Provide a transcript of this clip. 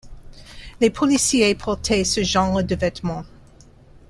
Les policiers portaient ce genre de vêtement.